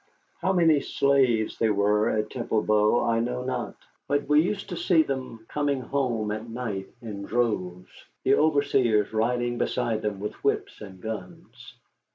How many slaves there were at Temple Bow I know not, but we used to see them coming home at night in droves, the overseers riding beside them with whips and guns.